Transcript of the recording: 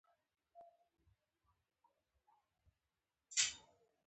أبوذر غفاري رضی الله عنه وایي.